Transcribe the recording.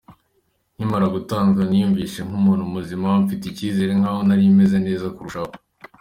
Nkimara gukanguka, niyumvise nk’umuntu muzima, mfite icyizere nk’aho nari meze neza kurushaho.